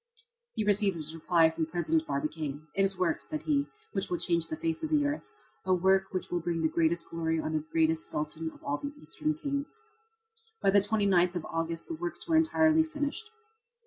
He received his reply from President Barbicane: "It is a work," said he, "which will change the face of the earth a work which will bring the greatest glory on the greatest Sultan of all the Eastern kings." By the 29th of August the works were entirely finished.